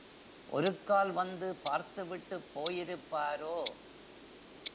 ஒருக்கால் வந்து பார்த்து விட்டுப் போயிருப்பாரோ?